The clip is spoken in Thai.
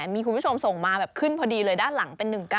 มีคุณผู้ชมส่งมาแบบขึ้นพอดีเลยด้านหลังเป็น๑๙